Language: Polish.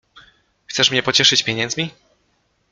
Chcesz mnie pocieszyć pieniędzmi?